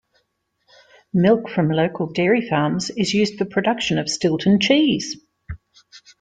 Milk from local dairy farms is used for production of Stilton cheese.